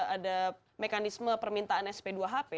mereka melewati mekanisme permintaan sp dua hp